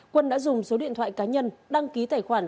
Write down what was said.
quân đã dùng số điện thoại cá nhân đăng ký tài khoản